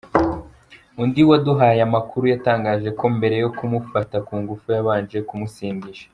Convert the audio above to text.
Undi waduhaye amakuru yatangaje ko mbere yo kumufata ku ngufu yabanje kumusindisha.